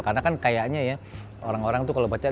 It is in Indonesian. karena kan kayaknya ya orang orang itu kalau baca